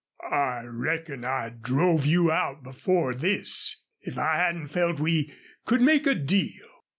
"I reckon I'd drove you out before this if I hadn't felt we could make a deal."